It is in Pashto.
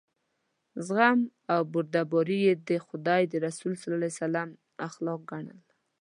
زغم او بردباري یې د خدای د رسول صلی الله علیه وسلم اخلاق ګڼل.